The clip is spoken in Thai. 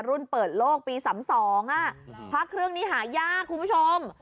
รุ่นเปิดโลกปีสามสองอ่ะพระเครื่องนี้หายากคุณผู้ชม